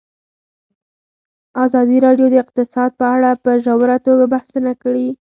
ازادي راډیو د اقتصاد په اړه په ژوره توګه بحثونه کړي.